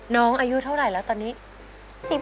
อายุเท่าไหร่แล้วตอนนี้